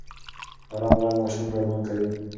ارام غږ ماشوم ډاډمن کوي.